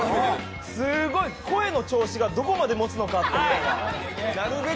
すっごい声の調子がどこまでもつのかという。